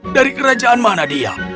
dari kerajaan mana dia